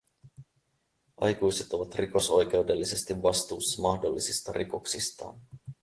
Aikuiset ovat rikosoikeudellisesti vastuussa mahdollisista rikoksistaan.